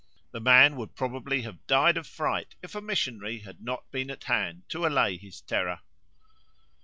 The man would probably have died of fright if a missionary had not been at hand to allay his terror.